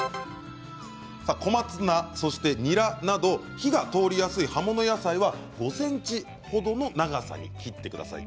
小松菜、そしてニラなど火が通りやすい葉物野菜は５ｃｍ程の長さに切ってください。